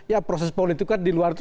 ya proses politik kan di luar itu